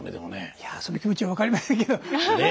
いやその気持ちは分かりませんけど。